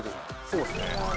そうですね。